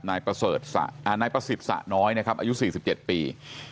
นายประเสริฐอ่านายประสิทธิ์สะน้อยนะครับอายุสี่สิบเจ็ดปี